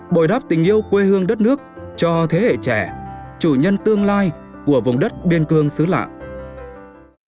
bồi đắp tình yêu quê hương đất nước cho thế hệ trẻ chủ nhân tương lai của vùng đất biên cương xứ lạng